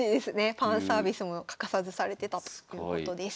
ファンサービスも欠かさずされてたということです。